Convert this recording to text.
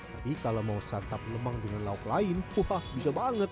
tapi kalau mau santap lemang dengan lauk lain wah bisa banget